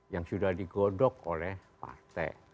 yang sudah digodok oleh partai